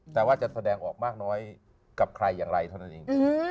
แต่ว่าจะแสดงออกมากน้อยกับใครอย่างไรเท่านั้นเอง